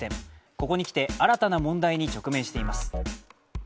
ここに来て新たな問題に直面しています。